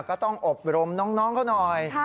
ก็ต้องอบรมน้องเขาหน่อย